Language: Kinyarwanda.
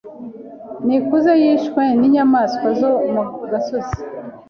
Nikuze yishwe ninyamaswa zo mu gasozi.